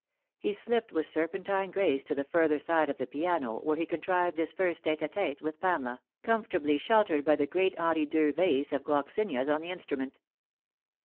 He slipped with serpentine grace to the further side of the piano, where he contrived his first tete a tete with Pamela, comfortably sheltered by the great Henri Deux vase of gloxinias on the instrument.